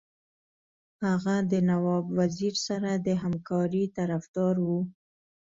هغه د نواب وزیر سره د همکارۍ طرفدار وو.